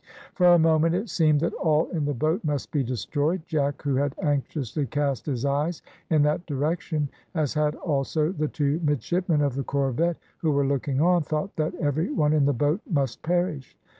For a moment it seemed that all in the boat must be destroyed. Jack, who had anxiously cast his eyes in that direction, as had also the two midshipmen of the corvette who were looking on, thought that every one in the boat must perish.